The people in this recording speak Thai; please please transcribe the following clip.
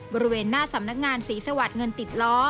บริเวณหน้าสำนักงานศรีสวัสดิ์เงินติดล้อ